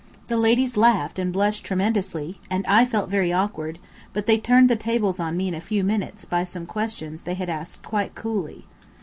The ladies laughed and blushed tremendously, and I felt very awkward, but they turned the tables on me in a few minutes by some questions they asked quite coolly.